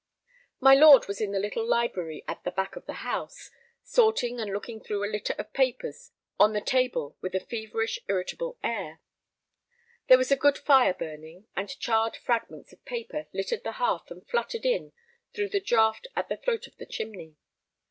My lord was in the little library at the back of the house, sorting and looking through a litter of papers on the table with a feverish, irritable air. There was a good fire burning, and charred fragments of paper littered the hearth and fluttered in the draught at the throat of the chimney.